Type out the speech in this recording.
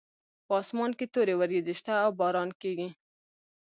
په اسمان کې تورې وریځې شته او باران کیږي